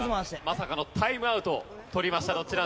まさかのタイムアウト取りましたドッジ男子。